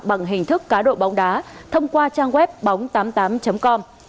bằng hình thức cá độ bóng đá thông qua trang web bóng tám mươi tám com